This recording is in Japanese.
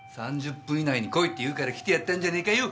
３０分以内に来いって言うから来てやったんじゃねえかよ。